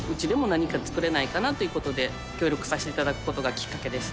何か作れないかなという事で協力させて頂いた事がきっかけです。